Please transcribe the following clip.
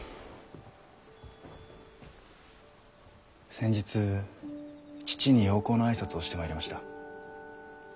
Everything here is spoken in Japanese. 先日父に洋行の挨拶をしてまいりました。